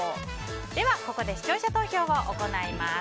では、ここで視聴者投票を行います。